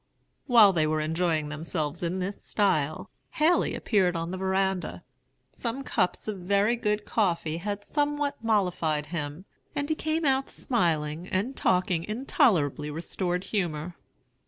"While they were enjoying themselves in this style, Haley appeared on the verandah. Some cups of very good coffee had somewhat mollified him, and he came out smiling and talking in tolerably restored humor.